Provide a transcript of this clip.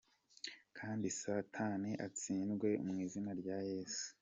Kandi satan atsindwe mu izina rya Yezu!.